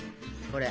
これ。